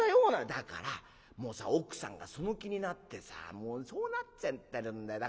「だからもう奥さんがその気になってさそうなっちゃってるんだよ。